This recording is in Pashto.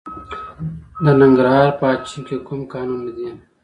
د ننګرهار په اچین کې کوم کانونه دي؟